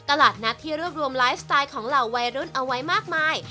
ตลาดนัดที่รวบรวมไลฟ์สไตล์ของเหล่าวัยรุ่นเอาไว้มากมาย